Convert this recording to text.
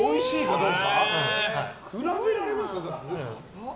比べられます？